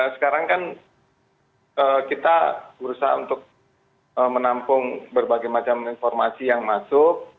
sekarang kan kita berusaha untuk menampung berbagai macam informasi yang masuk